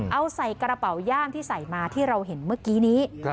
เอาใส่กระเป๋าย่ามที่ใส่มาที่เราเห็นเมื่อกี้นี้